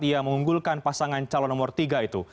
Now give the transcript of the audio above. ia mengunggulkan pasangan calon nomor tiga itu